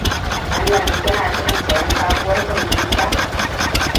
Har yanzu kina shirin sayen sabuwar kwamfuta?